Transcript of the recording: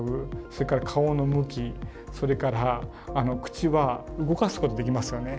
それから顔の向きそれから口は動かすことできますよね。